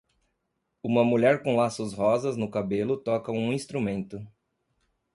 Uma mulher com laços rosa no cabelo toca um instrumento.